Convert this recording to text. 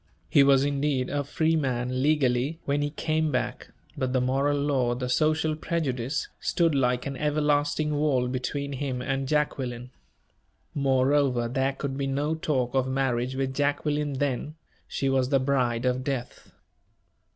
He was, indeed, a free man, legally, when he came back; but the moral law, the social prejudice, stood like an everlasting wall between him and Jacqueline. Moreover, there could be no talk of marriage with Jacqueline then she was the bride of death!